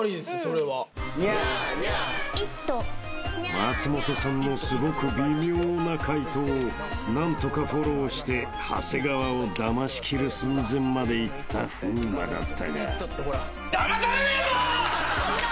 ［松本さんのすごく微妙な解答を何とかフォローして長谷川をだまし切る寸前まで行った風磨だったが］だまされねえぞ！